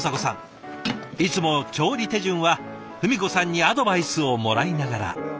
いつも調理手順は文子さんにアドバイスをもらいながら。